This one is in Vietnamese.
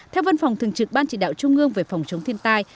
theo văn phòng thường trực ban chỉ đạo trung ương về phòng chống thiên tai